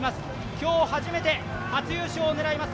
今日初めて初優勝を狙います